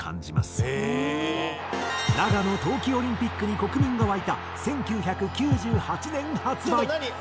長野冬季オリンピックに国民が沸いた１９９８年発売。